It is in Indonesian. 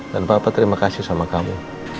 dan papa terima kasih sama kamu